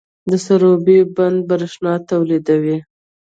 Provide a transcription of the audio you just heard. د سروبي بند بریښنا تولیدوي